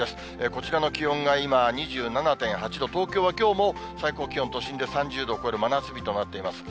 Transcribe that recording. こちらの気温が今、２７．８度、東京はきょうも最高気温、都心で３０度を超える真夏日となっています。